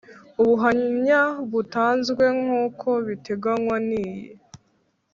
Ubuhamya butanzwe nk uko biteganwa n iyi